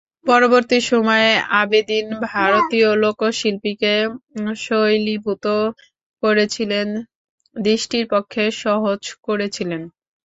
পরবর্তী সময়ে আবেদিন ভারতীয় লোকশিল্পকে শৈলীভূত করেছিলেন, দৃষ্টির পক্ষে সহজ করেছিলেন।